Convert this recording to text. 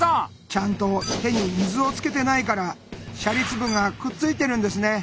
ちゃんと手に水をつけてないからシャリ粒がくっついてるんですね。